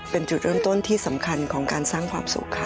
เป็นจุดเริ่มต้นที่สำคัญของการสร้างความสุขค่ะ